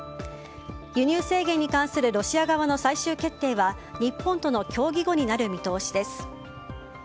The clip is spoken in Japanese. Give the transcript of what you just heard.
輸入制限に関するロシア側の最終決定は日本との協議後になる見通しです。